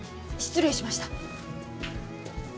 失礼しました。